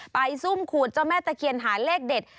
ซุ่มขูดเจ้าแม่ตะเคียนหาเลขเด็ด